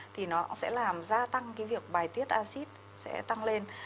thì nó sẽ làm gia tăng cái việc bài tiết acid sẽ tăng lên